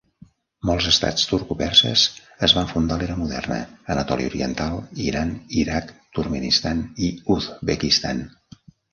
Molts estats turco-perses es van fundar a l'era moderna, Anatòlia oriental, Iran, Iraq, Turkmenistan i Uzbekistan.